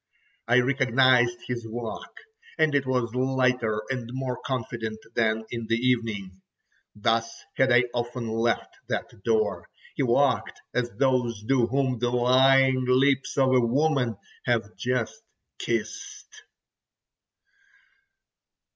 I recognized his walk, and it was lighter and more confident than in the evening: thus had I often left that door. He walked, as those do, whom the lying lips of a woman have just kissed.